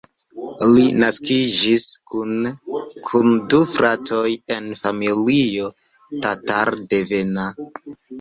Li naskiĝis kune kun du fratoj en familio tatar-devena.